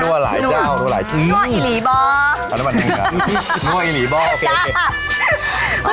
นัวนัวหลายดาวนัวหลายดาวนัวอิหลีบอร์นัวอิหลีบอร์โอเคโอเค